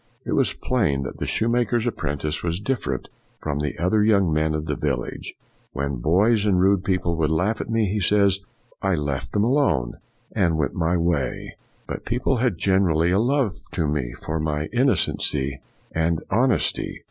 It was plain that the shoemaker's apprentice was different from the other young men of the village. " When boys and rude people would laugh at me," he says, " I left them 284 FOX alone, and went my way; but people had generally a love to me for my innocency and honesty.'